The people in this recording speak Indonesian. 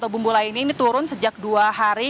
bumbu lainnya ini turun sejak dua hari